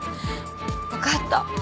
わかった。